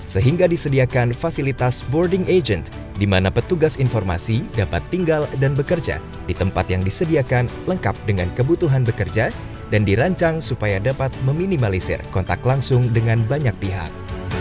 sehingga disediakan fasilitas boarding agent di mana petugas informasi dapat tinggal dan bekerja di tempat yang disediakan lengkap dengan kebutuhan bekerja dan dirancang supaya dapat meminimalisir kontak langsung dengan banyak pihak